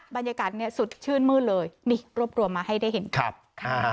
บรรยากาศเนี่ยสดชื่นมืดเลยนี่รวบรวมมาให้ได้เห็นครับค่ะ